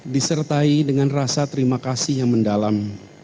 disertai dengan rasa terima kasih yang mendalam